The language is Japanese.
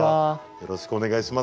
よろしくお願いします。